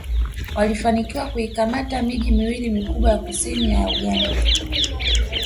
Walifanikiwa kuikamata miji miwili mikubwa ya kusini ya Uganda